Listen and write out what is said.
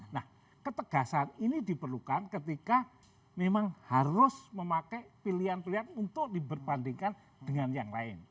nah ketegasan ini diperlukan ketika memang harus memakai pilihan pilihan untuk diberbandingkan dengan yang lain